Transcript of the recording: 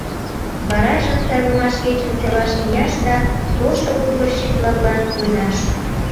Варажым сайлымаш кечын селаш мияш да толшо выборщик-влаклан пуэдаш.